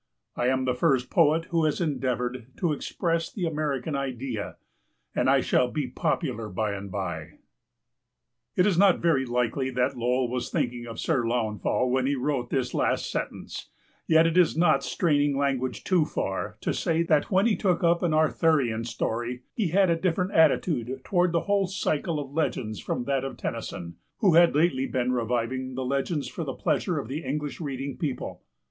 I am the first poet who has endeavored to express the American Idea, and I shall be popular by and by." It is not very likely that Lowell was thinking of Sir Launfal when he wrote this last sentence, yet it is not straining language too far to say that when he took up an Arthurian story he had a different attitude toward the whole cycle of legends from that of Tennyson, who had lately been reviving the legends for the pleasure of English reading people.